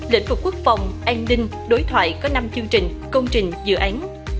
lĩnh vực quốc phòng an ninh đối thoại có năm chương trình công trình dự án